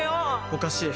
おかしい